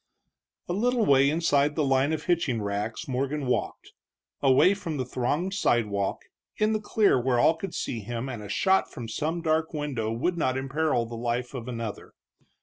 A little way inside the line of hitching racks Morgan walked, away from the thronged sidewalk, in the clear where all could see him and a shot from some dark window would not imperil the life of another.